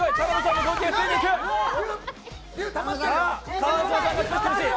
川島さんが少し苦しい。